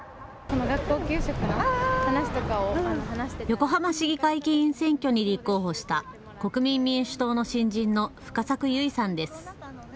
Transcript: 横浜市議会議員選挙に立候補した国民民主党の新人の深作祐衣さんです。